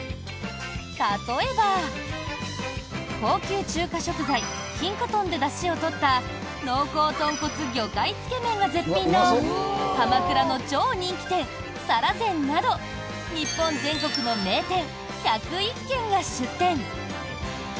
例えば、高級中華食材金華豚でだしを取った濃厚豚骨魚介つけめんが絶品の鎌倉の超人気店、沙羅善など日本全国の名店１０１軒が出店。